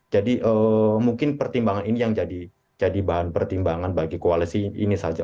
jadi mungkin pertimbangan ini yang jadi bahan pertimbangan bagi koalisi ini saja